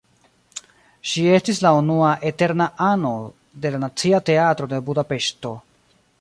Ŝi estis la unua "eterna ano" de la Nacia Teatro de Budapeŝto.